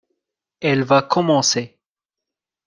Elle va commencer.